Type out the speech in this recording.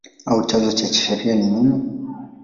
au chanzo cha sheria ni nini?